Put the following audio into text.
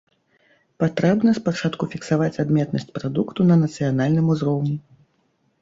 Патрэбна спачатку фіксаваць адметнасць прадукту на нацыянальным узроўні.